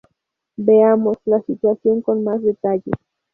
Veamos, la situación con más detalle.